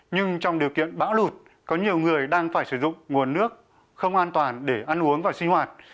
nhưng trong điều kiện bão lụt có nhiều người đang phải sử dụng nguồn nước không an toàn để ăn uống và sinh hoạt